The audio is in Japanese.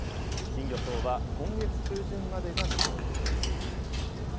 キンギョソウは、今月中旬までが見頃です。